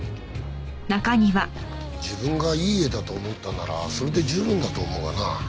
自分がいい絵だと思ったならそれで十分だと思うがな。